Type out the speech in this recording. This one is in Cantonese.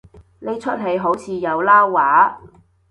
呢齣戲好似有撈話